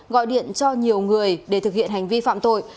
gọi điện cho nhiều người để thực hiện hành vi phạm tội